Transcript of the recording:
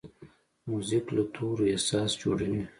موزیک له تورو احساس جوړوي.